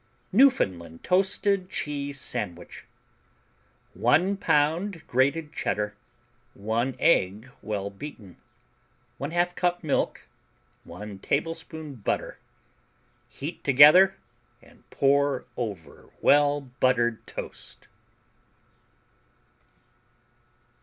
Newfoundland Toasted Cheese Sandwich 1 pound grated Cheddar 1 egg, well beaten 1/2 cup milk 1 tablespoon butter Heat together and pour over well buttered toast.